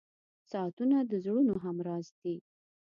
• ساعتونه د زړونو همراز دي.